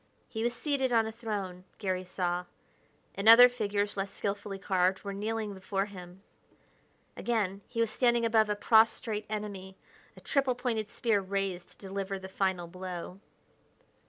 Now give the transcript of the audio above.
He was seated on a throne, Garry saw, and other figures, less skilfully carved, were kneeling before him. Again, he was standing above a prostrate enemy, a triple pointed spear raised to deliver the final blow.